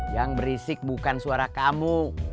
yang berisik bukan suara kamu